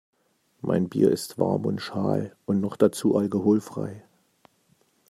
Mein Bier ist warm und schal und noch dazu alkoholfrei.